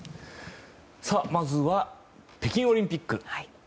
まずは北京オリンピック。